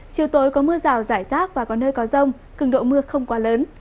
chiều tối có mưa rào rải rác và có nơi có rông cường độ mưa không quá lớn